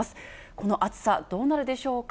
この暑さ、どうなるでしょうか。